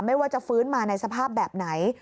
ไม่ว่าจะฟื้นมาในสภาพแบบไหน